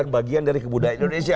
bagian dari kebudayaan indonesia